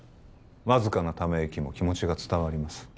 わずかなため息も気持ちが伝わります